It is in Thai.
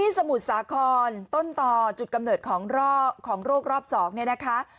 สมุทรสาครต้นต่อจุดกำเนิดของโรครอบ๒เนี่ยนะคะ